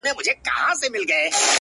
دا ده کوچي ځوانيمرگې نجلۍ تول دی!!